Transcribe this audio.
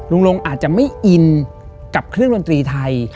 ลงอาจจะไม่อินกับเครื่องดนตรีไทย